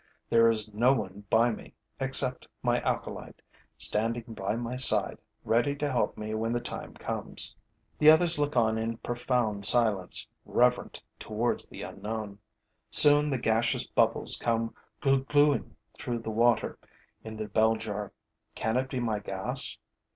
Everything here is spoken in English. There is no one by me, except my acolyte, standing by my side, ready to help me when the time comes. The others look on in profound silence, reverent towards the unknown. Soon the gaseous bubbles come "gloo glooing" through the water in the bell jar. Can it be my gas?